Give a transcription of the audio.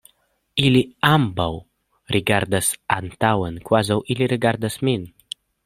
Ili ambaŭ rigardas antaŭen, kvazaŭ ili rigardas min.